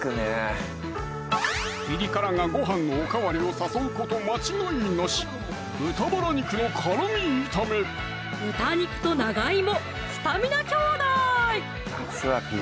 ピリ辛がごはんのおかわりを誘うこと間違いなし豚肉と長いもスタミナきょうだい！